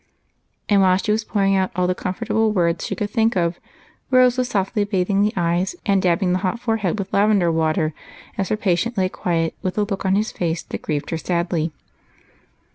And while she was pouring out all the comfortable w^ords she could tliink of, Rose was softly bathing the eyes and dabbing the hot foreliead with lavender Avater, as her patient lay quiet with a look on his face that grieved her sadly.